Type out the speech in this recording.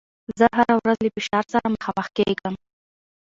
زه هره ورځ له فشار سره مخامخېږم.